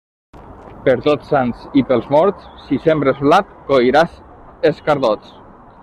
Per Tots Sants i pels Morts, si sembres blat, colliràs escardots.